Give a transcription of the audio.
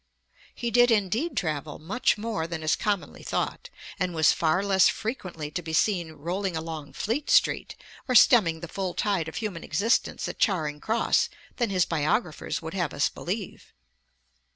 He did indeed travel much more than is commonly thought, and was far less frequently to be seen rolling along Fleet street or stemming the full tide of human existence at Charing Cross than his biographers would have us believe.